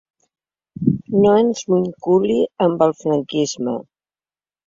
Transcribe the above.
No ens vinculi amb el franquisme